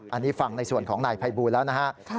อันนี้ฟังในส่วนของนายภัยบูลแล้วนะฮะ